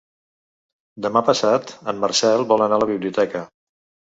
Demà passat en Marcel vol anar a la biblioteca.